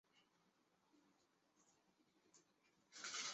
美国战略司令部是国防部十大统一指挥部之一。